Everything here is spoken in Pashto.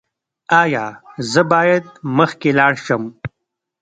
ایا زه باید مخکې لاړ شم؟